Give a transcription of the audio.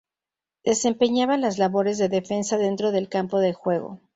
Desempeñaba las labores de defensa dentro del campo de juego.